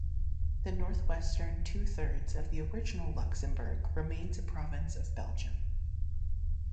The northwestern two-thirds of the original Luxembourg remains a province of Belgium.